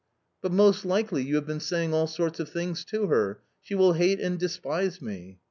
" But most likely you have been saying all sorts of things to her. She will hate and despise me."